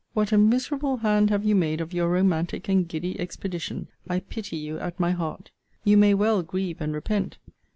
What a miserable hand have you made of your romantic and giddy expedition! I pity you at my heart. You may well grieve and repent!